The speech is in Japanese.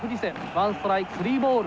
ワンストライクスリーボール。